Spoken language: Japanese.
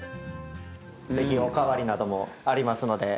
ぜひお代わりなどもありますので。